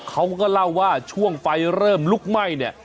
เขาก็เล่าว่าช่วงไฟเริ่มลุกไหม้เนี่ย